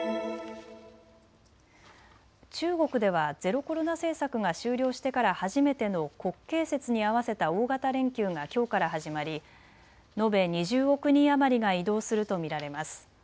中国ではゼロコロナ政策が終了してから初めての国慶節に合わせた大型連休がきょうから始まり、延べ２０億人余りが移動すると見られます。